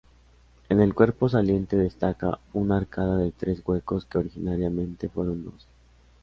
En el cuerpo saliente destaca una arcada de tres huecos que originariamente fueron dos.